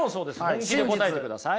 本気で答えてください。